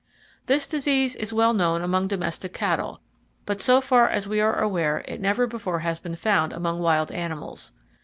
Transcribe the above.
This disease is well known among domestic cattle, but so far as we are aware it never before has been found among wild animals.